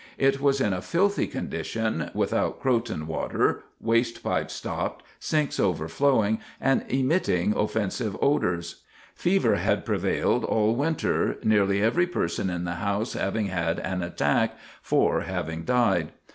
It was in a filthy condition, without Croton water, waste pipes stopped, sinks overflowing and emitting offensive odors; fever had prevailed all winter, nearly every person in the house having had an attack, four having died.